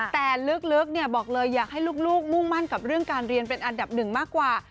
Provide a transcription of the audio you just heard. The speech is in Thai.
แต่ลึกบอกเลยอยากให้ลูกมุ่งมั่นกับเรื่องการเรียนเป็นอันดับหนึ่งมากกว่า